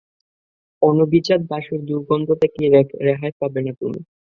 অনভিজাত দাসের দুর্গন্ধ থেকে রেহাই পাবে না তুমি।